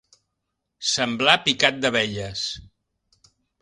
Semblar picat d'abelles.